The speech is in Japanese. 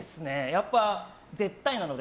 やっぱり絶対なので。